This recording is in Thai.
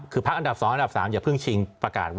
คือพักอันดับ๒อันดับ๓อย่าเพิ่งชิงประกาศ